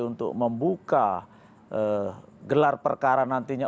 untuk membuka gelar perkara nantinya